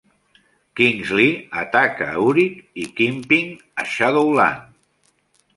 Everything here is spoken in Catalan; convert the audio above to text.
Kingsley ataca a Urich i Kingpin a Shadowlan.